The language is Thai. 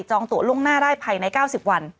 ตัวล่วงหน้าได้ภายใน๙๐วัน